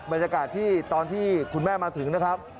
บรรยากาศที่ตอนที่คุณแม่มาถึงนะครับ